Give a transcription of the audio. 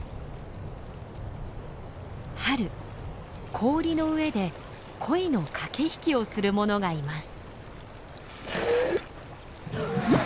春氷の上で恋の駆け引きをするものがいます。